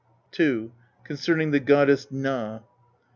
II. CONCERNING THE GODDESS GNA.